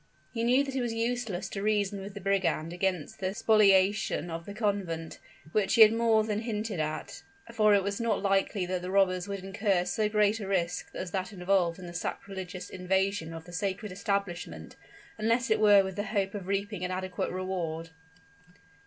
He knew that it was useless to reason with the brigand against the spoliation of the convent, which he had more than hinted at; for it was not likely that the robbers would incur so great a risk as that involved in the sacrilegious invasion of the sacred establishment, unless it were with the hope of reaping an adequate reward.